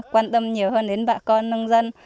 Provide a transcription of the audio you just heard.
quan tâm nhiều hơn đến bà con nông dân